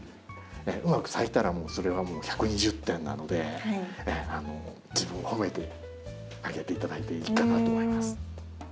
うまく咲いたらそれはもう１２０点なので自分を褒めてあげていただいていいかなと思います。